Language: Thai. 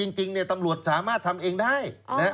จริงตำรวจสามารถทำเองได้